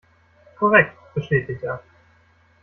Korrekt, bestätigt er.